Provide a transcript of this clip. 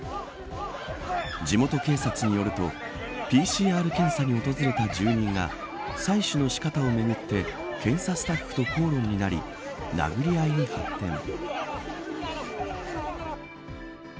地元警察によるとＰＣＲ検査に訪れた住人が採取の仕方をめぐって検査スタッフと口論になり殴り合いに発展。